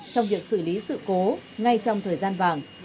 trong việc xử lý sự cố ngay trong thời gian vàng